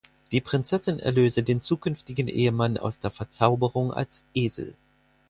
Die Prinzessin erlöse den zukünftigen Ehemann aus der Verzauberung als Esel.